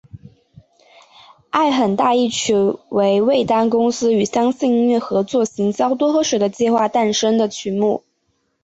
爱很大一曲为味丹公司与相信音乐合作行销多喝水的计划下诞生的曲目。